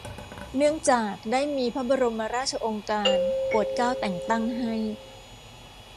เนื่องจากได้มีพระบรมราชโองการโปรดเกล้า แต่งตั้งให้